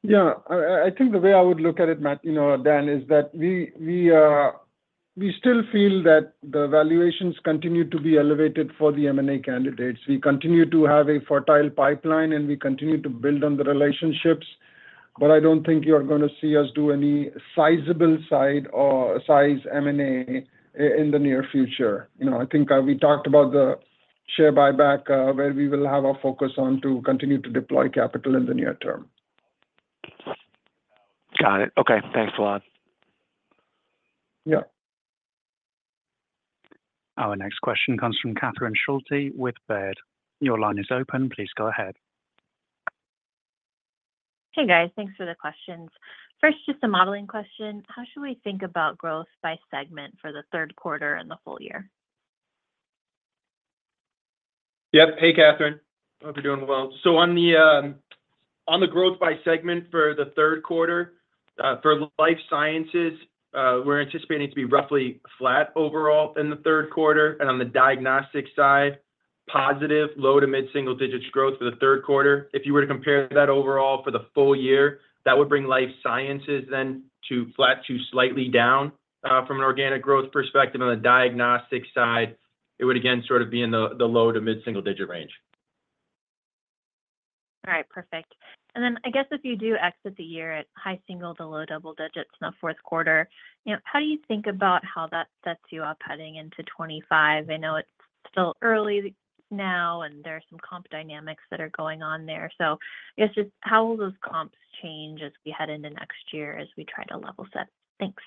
Yeah. I think the way I would look at it, Matt, you know, Dan, is that we still feel that the valuations continue to be elevated for the M&A candidates. We continue to have a fertile pipeline, and we continue to build on the relationships, but I don't think you're going to see us do any sizable side or size M&A in the near future. You know, I think we talked about the share buyback where we will have a focus on to continue to deploy capital in the near term. Got it. Okay. Thanks, Prahlad. Yeah. Our next question comes from Catherine Schulte with Baird. Your line is open. Please go ahead. Hey, guys. Thanks for the questions. First, just a modeling question. How should we think about growth by segment for the third quarter and the full year? Yep. Hey, Catherine. I hope you're doing well. So on the growth by segment for the third quarter, for life sciences, we're anticipating to be roughly flat overall in the third quarter. And on the diagnostics side, positive, low- to mid-single-digit growth for the third quarter. If you were to compare that overall for the full year, that would bring life sciences then to flat to slightly down from an organic growth perspective. On the diagnostics side, it would again sort of be in the low- to mid-single-digit range. All right. Perfect. And then I guess if you do exit the year at high single- to low double-digits in the fourth quarter, you know, how do you think about how that sets you up heading into 2025? I know it's still early now, and there are some comp dynamics that are going on there. So I guess just how will those comps change as we head into next year as we try to level set? Thanks.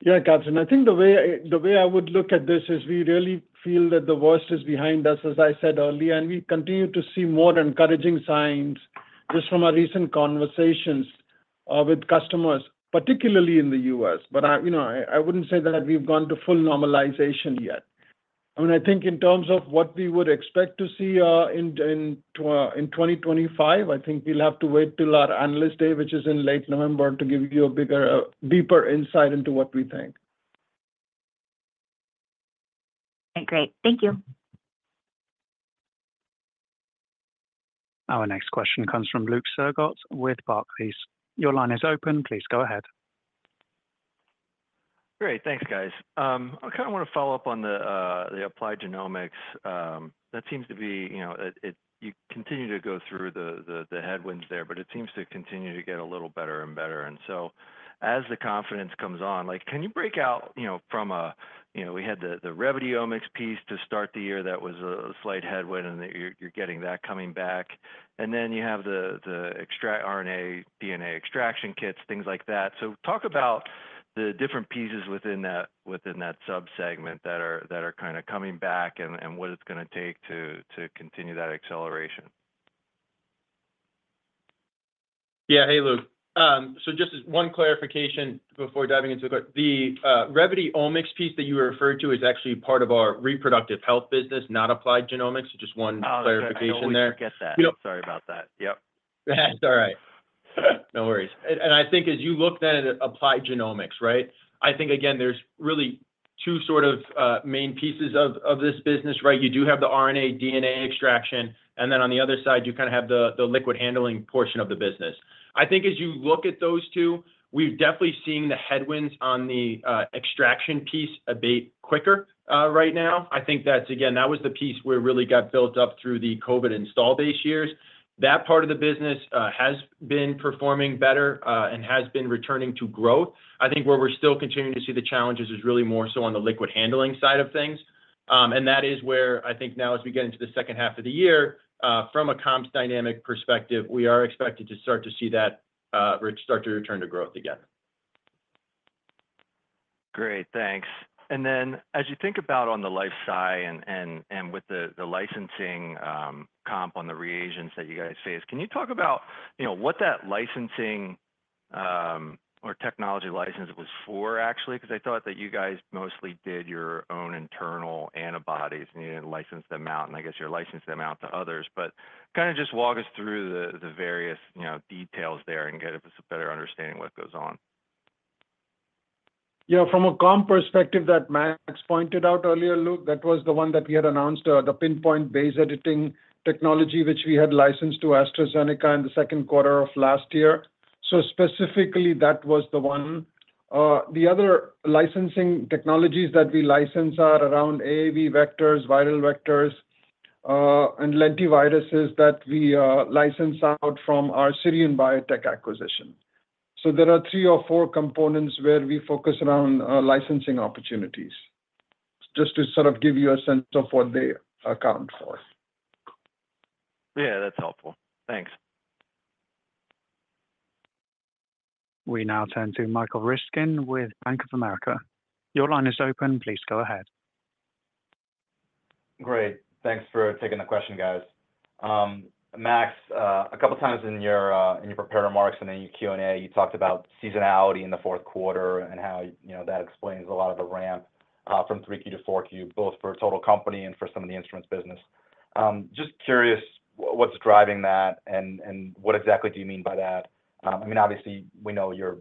Yeah, Catherine. I think the way I would look at this is we really feel that the worst is behind us, as I said earlier, and we continue to see more encouraging signs just from our recent conversations with customers, particularly in the U.S. But, you know, I wouldn't say that we've gone to full normalization yet. I mean, I think in terms of what we would expect to see in 2025, I think we'll have to wait till our analyst day, which is in late November, to give you a bigger, deeper insight into what we think. Okay. Great. Thank you. Our next question comes from Luke Sergott with Barclays. Your line is open. Please go ahead. Great. Thanks, guys. I kind of want to follow up on the applied genomics. That seems to be, you know, you continue to go through the headwinds there, but it seems to continue to get a little better and better. And so as the confidence comes on, like, can you break out, you know, from a, you know, we had the Revvity Omics piece to start the year that was a slight headwind, and you're getting that coming back. And then you have the extract RNA, DNA extraction kits, things like that. So talk about the different pieces within that subsegment that are kind of coming back and what it's going to take to continue that acceleration. Yeah. Hey, Luke. So just one clarification before diving into the question. The Revvity Omics piece that you referred to is actually part of our reproductive health business, not applied genomics. Just one clarification there. Oh, I didn't get that. Sorry about that. Yep. That's all right. No worries. And I think as you look then at applied genomics, right, I think, again, there's really two sort of main pieces of this business, right? You do have the RNA, DNA extraction, and then on the other side, you kind of have the liquid handling portion of the business. I think as you look at those two, we've definitely seen the headwinds on the extraction piece a bit quicker right now. I think that's, again, that was the piece where it really got built up through the COVID install base years. That part of the business has been performing better and has been returning to growth. I think where we're still continuing to see the challenges is really more so on the liquid handling side of things. That is where I think now, as we get into the second half of the year, from a comps dynamic perspective, we are expected to start to see that start to return to growth again. Great. Thanks. Then as you think about on the life sci and with the licensing comp on the reagents that you guys face, can you talk about, you know, what that licensing or technology license was for, actually? Because I thought that you guys mostly did your own internal antibodies, and you didn't license them out, and I guess you're licensing them out to others. But kind of just walk us through the various, you know, details there and get a better understanding of what goes on. Yeah. From a comp perspective that Max pointed out earlier, Luke, that was the one that we had announced, the Pin-point base editing technology, which we had licensed to AstraZeneca in the second quarter of last year. So specifically, that was the one. The other licensing technologies that we license are around AAV vectors, viral vectors, and lentiviruses that we license out from our Sirion Biotech acquisition. So there are three or four components where we focus around licensing opportunities, just to sort of give you a sense of what they account for. Yeah. That's helpful. Thanks. We now turn to Michael Ryskin with Bank of America. Your line is open. Please go ahead. Great. Thanks for taking the question, guys. Max, a couple of times in your prepared remarks and in your Q&A, you talked about seasonality in the fourth quarter and how, you know, that explains a lot of the ramp from 3Q to 4Q, both for total company and for some of the instruments business. Just curious what's driving that and what exactly do you mean by that? I mean, obviously, we know your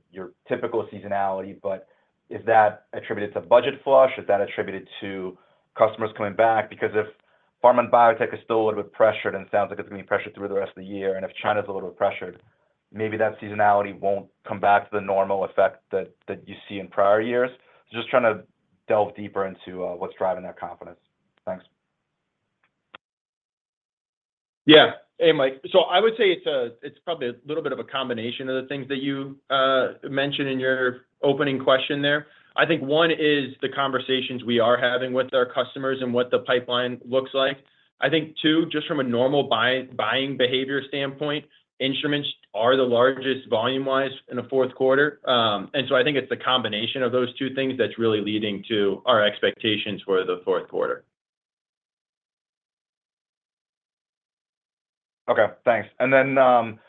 typical seasonality, but is that attributed to budget flush? Is that attributed to customers coming back? Because if pharma and biotech is still a little bit pressured, and it sounds like it's going to be pressured through the rest of the year, and if China's a little bit pressured, maybe that seasonality won't come back to the normal effect that you see in prior years. Just trying to delve deeper into what's driving that confidence. Thanks. Yeah. Hey, Mike. So I would say it's probably a little bit of a combination of the things that you mentioned in your opening question there. I think one is the conversations we are having with our customers and what the pipeline looks like. I think two, just from a normal buying behavior standpoint, instruments are the largest volume-wise in the fourth quarter. And so I think it's the combination of those two things that's really leading to our expectations for the fourth quarter. Okay. Thanks. And then on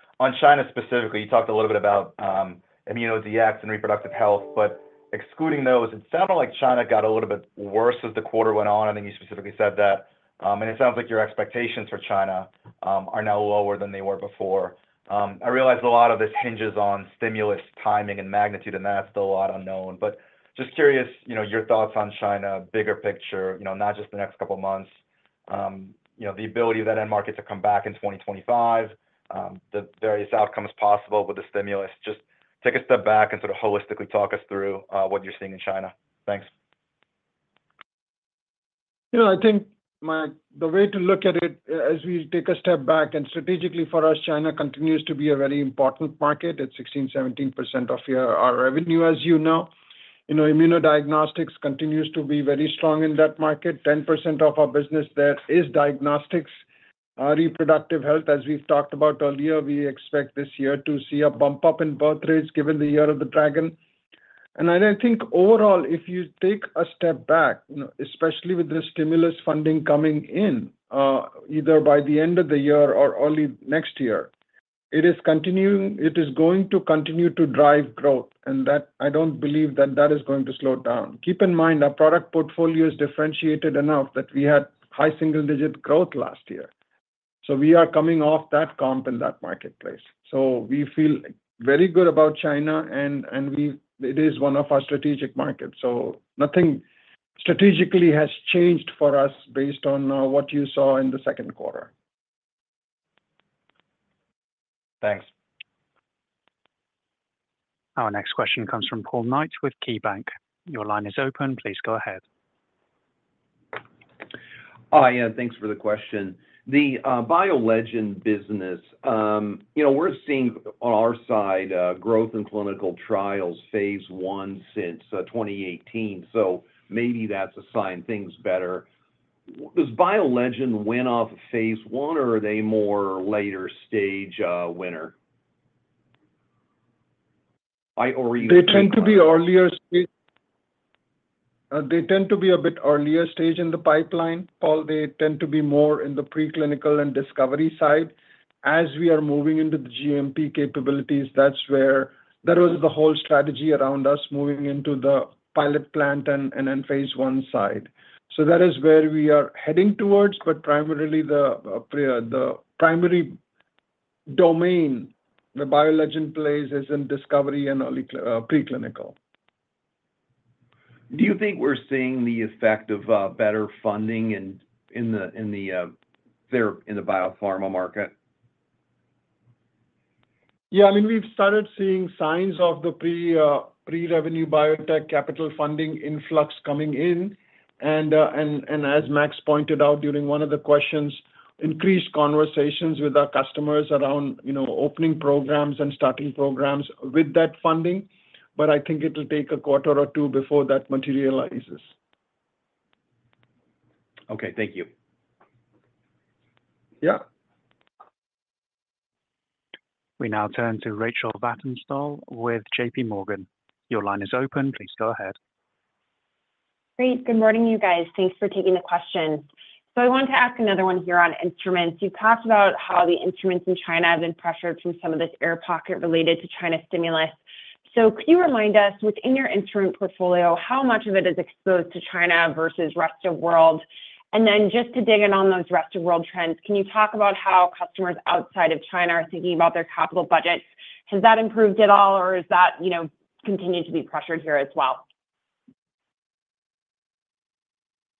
China specifically, you talked a little bit about immuno DX and reproductive health, but excluding those, it sounded like China got a little bit worse as the quarter went on. I think you specifically said that. And it sounds like your expectations for China are now lower than they were before. I realize a lot of this hinges on stimulus timing and magnitude, and that's still a lot unknown. Just curious, you know, your thoughts on China, bigger picture, you know, not just the next couple of months, you know, the ability of that end market to come back in 2025, the various outcomes possible with the stimulus? Just take a step back and sort of holistically talk us through what you're seeing in China. Thanks. You know, I think, Mike, the way to look at it as we take a step back and strategically for us, China continues to be a very important market. It's 16%-17% of our revenue, as you know. You know, immunodiagnostics continues to be very strong in that market. 10% of our business there is diagnostics, reproductive health. As we've talked about earlier, we expect this year to see a bump up in birth rates given the Year of the Dragon. And I think overall, if you take a step back, you know, especially with the stimulus funding coming in either by the end of the year or early next year, it is continuing. It is going to continue to drive growth. And that I don't believe that that is going to slow down. Keep in mind, our product portfolio is differentiated enough that we had high single-digit growth last year. So we are coming off that comp in that marketplace. So we feel very good about China, and it is one of our strategic markets. So nothing strategically has changed for us based on what you saw in the second quarter. Thanks. Our next question comes from Paul Knight with KeyBanc. Your line is open. Please go ahead. Hi. Yeah. Thanks for the question. The BioLegend business, you know, we're seeing on our side growth in clinical trials, phase I since 2018. So maybe that's a sign things better. Does BioLegend win off phase I, or are they more later stage winner? Or even? They tend to be earlier stage. They tend to be a bit earlier stage in the pipeline or they tend to be more in the preclinical and discovery side. As we are moving into the GMP capabilities, that's where that was the whole strategy around us moving into the pilot plant and then phase I side. So that is where we are heading towards, but primarily the primary domain where BioLegend plays is in discovery and early preclinical. Do you think we're seeing the effect of better funding in the bio-pharma market? Yeah. I mean, we've started seeing signs of the pre-revenue biotech capital funding influx coming in. And as Max pointed out during one of the questions, increased conversations with our customers around, you know, opening programs and starting programs with that funding. But I think it'll take a quarter or two before that materializes. Okay. Thank you. Yeah. We now turn to Rachel Vatnsdal with JPMorgan. Your line is open. Please go ahead. Great. Good morning, you guys. Thanks for taking the question. So I wanted to ask another one here on instruments. You talked about how the instruments in China have been pressured from some of this air pocket related to China stimulus. So could you remind us, within your instrument portfolio, how much of it is exposed to China versus rest of world? Then just to dig in on those rest of world trends, can you talk about how customers outside of China are thinking about their capital budgets? Has that improved at all, or is that, you know, continuing to be pressured here as well?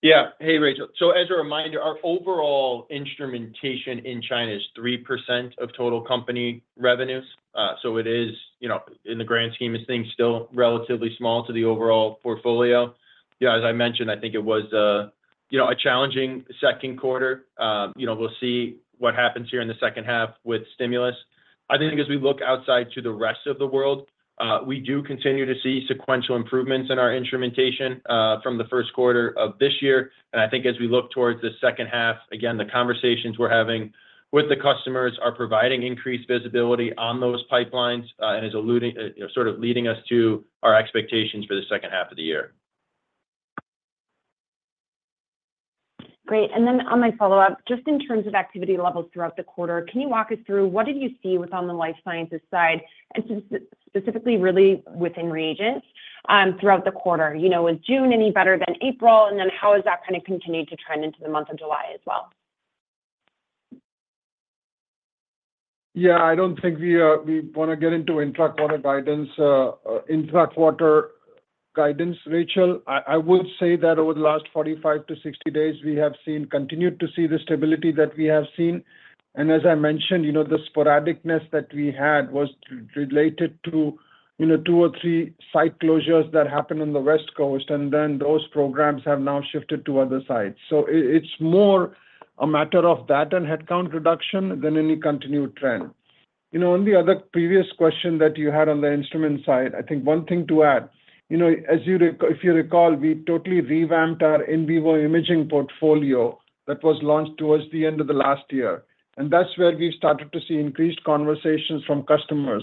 Yeah. Hey, Rachel. So as a reminder, our overall instrumentation in China is 3% of total company revenues. So it is, you know, in the grand scheme, it's things still relatively small to the overall portfolio. You know, as I mentioned, I think it was, you know, a challenging second quarter. You know, we'll see what happens here in the second half with stimulus. I think as we look outside to the rest of the world, we do continue to see sequential improvements in our instrumentation from the first quarter of this year. I think as we look towards the second half, again, the conversations we're having with the customers are providing increased visibility on those pipelines and is sort of leading us to our expectations for the second half of the year. Great. Then on my follow-up, just in terms of activity levels throughout the quarter, can you walk us through what did you see with on the life sciences side, and specifically really within reagents throughout the quarter? You know, was June any better than April? And then how has that kind of continued to trend into the month of July as well? Yeah. I don't think we want to get into intra-quarter guidance, intra-quarter guidance, Rachel. I would say that over the last 45-60 days, we have seen, continued to see the stability that we have seen. As I mentioned, you know, the sporadicness that we had was related to, you know, two or three site closures that happened on the West Coast, and then those programs have now shifted to other sites. So it's more a matter of that and headcount reduction than any continued trend. You know, on the other previous question that you had on the instrument side, I think one thing to add, you know, as you recall, if you recall, we totally revamped our In Vivo Imaging portfolio that was launched towards the end of the last year. And that's where we've started to see increased conversations from customers,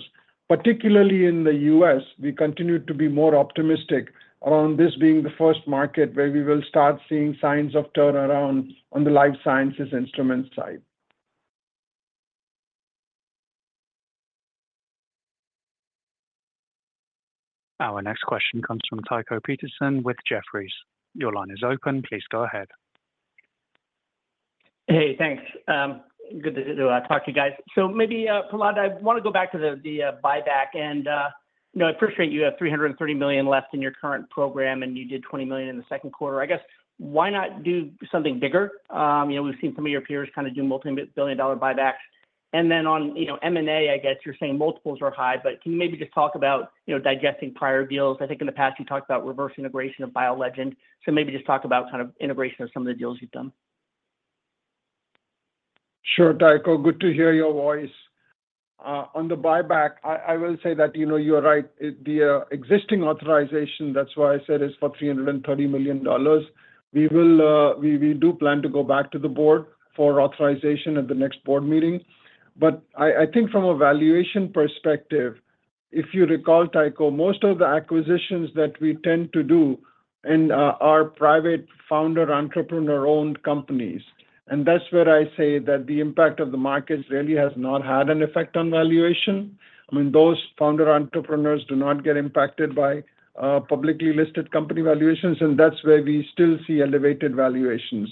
particularly in the U.S. We continue to be more optimistic around this being the first market where we will start seeing signs of turnaround on the life sciences instrument side. Our next question comes from Tycho Peterson with Jefferies. Your line is open. Please go ahead. Hey, thanks. Good to talk to you guys. So maybe, Prahlad, I want to go back to the buyback. And, you know, I appreciate you have $330 million left in your current program, and you did $20 million in the second quarter. I guess, why not do something bigger? You know, we've seen some of your peers kind of do multi-billion dollar buybacks. And then on, you know, M&A, I guess you're saying multiples are high, but can you maybe just talk about, you know, digesting prior deals? I think in the past you talked about reverse integration of BioLegend. So maybe just talk about kind of integration of some of the deals you've done. Sure, Tycho. Good to hear your voice. On the buyback, I will say that, you know, you're right. The existing authorization, that's why I said it's for $330 million. We will, we do plan to go back to the board for authorization at the next board meeting. But I think from a valuation perspective, if you recall, Tycho, most of the acquisitions that we tend to do in our private founder entrepreneur-owned companies, and that's where I say that the impact of the market really has not had an effect on valuation. I mean, those founder entrepreneurs do not get impacted by publicly listed company valuations, and that's where we still see elevated valuations.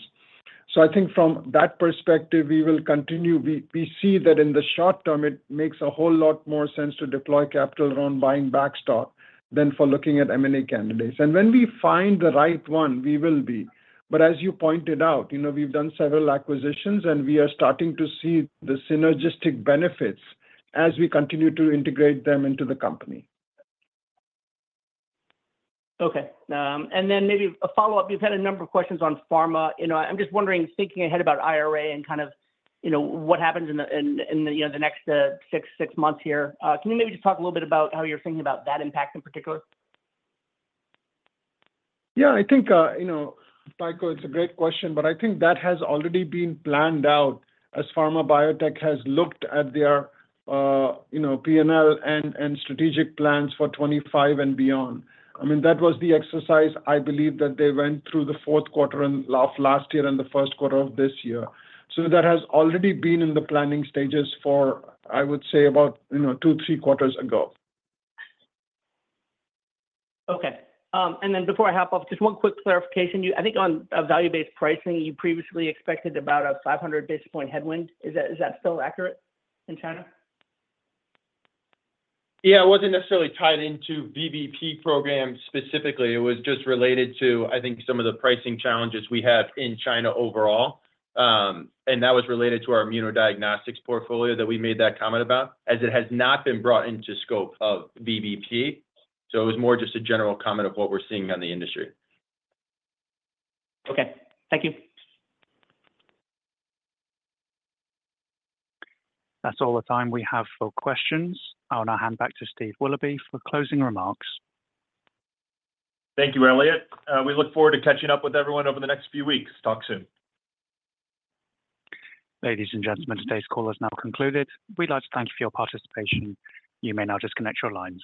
So I think from that perspective, we will continue. We see that in the short term, it makes a whole lot more sense to deploy capital around buying back stock than for looking at M&A candidates. And when we find the right one, we will be. But as you pointed out, you know, we've done several acquisitions, and we are starting to see the synergistic benefits as we continue to integrate them into the company. Okay. And then maybe a follow-up. You've had a number of questions on pharma. You know, I'm just wondering, thinking ahead about IRA and kind of, you know, what happens in the, you know, the next six, six months here, can you maybe just talk a little bit about how you're thinking about that impact in particular? Yeah. I think, you know, Tycho, it's a great question, but I think that has already been planned out as pharma biotech has looked at their, you know, P&L and strategic plans for 2025 and beyond. I mean, that was the exercise, I believe, that they went through the fourth quarter of last year and the first quarter of this year. So that has already been in the planning stages for, I would say, about, you know, two, three quarters ago. Okay. And then before I hop off, just one quick clarification. I think on value-based pricing, you previously expected about a 500 basis point headwind. Is that still accurate in China? Yeah. It wasn't necessarily tied into VBP program specifically. It was just related to, I think, some of the pricing challenges we have in China overall. And that was related to our immunodiagnostics portfolio that we made that comment about, as it has not been brought into scope of VBP. So it was more just a general comment of what we're seeing on the industry. Okay. Thank you. That's all the time we have for questions. I'll now hand back to Steve Willoughby for closing remarks. Thank you, Elliott. We look forward to catching up with everyone over the next few weeks. Talk soon. Ladies and gentlemen, today's call has now concluded. We'd like to thank you for your participation. You may now disconnect your lines.